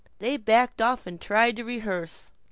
They backed off and tried to rehearse.